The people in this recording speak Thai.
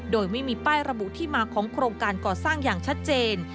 โดยไม่มีป้ายระบุที่มาของโครงการก่อสร้างอย่างชัดเจน